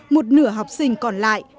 một nửa học sinh còn lại